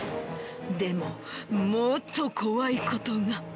でも、もっと怖いことが。